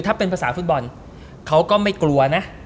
ถ้าเป็นภาษาฟุตบอลเขาก็ไม่กลัวนะ